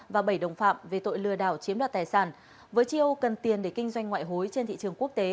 và bảy đồng phạm về tội lừa đảo chiếm đoạt tài sản với chiêu cần tiền để kinh doanh ngoại hối trên thị trường quốc tế